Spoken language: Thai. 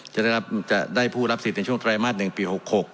จะได้ผู้รับสิทธิ์ในช่วงไตรมาส๑ปี๖๖